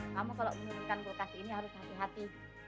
kamu kalau menemukan lokasi ini harus hati hati